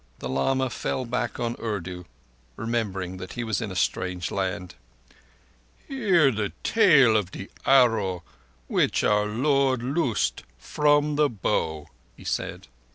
The lama fell back on Urdu, remembering that he was in a strange land. "Hear the tale of the Arrow which our Lord loosed from the bow," he said.